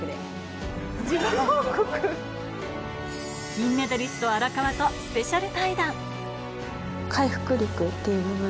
金メダリスト荒川とスペシャル対談